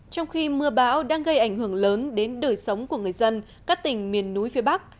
trong khi mưa bão đang gây ảnh hưởng lớn đến đời sống của người dân các tỉnh miền núi phía bắc